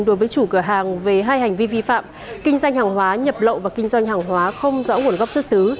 đối với chủ cửa hàng về hai hành vi vi phạm kinh doanh hàng hóa nhập lậu và kinh doanh hàng hóa không rõ nguồn gốc xuất xứ